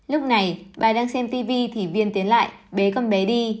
lúc này bài đang xem tv thì viên tiến lại bế con bé đi